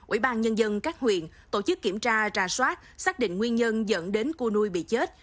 ủy ban nhân dân các huyện tổ chức kiểm tra trà soát xác định nguyên nhân dẫn đến cua nuôi bị chết